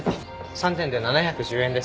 ３点で７１０円です。